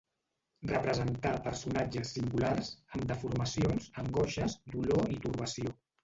Representà personatges singulars, amb deformacions, angoixes, dolor i torbació.